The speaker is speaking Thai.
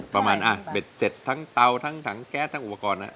ประมาณเบ็ดเสร็จทั้งเตาทั้งถังแก๊สทั้งอุปกรณ์นะ